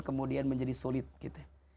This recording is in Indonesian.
kemudian menjadi sulit gitu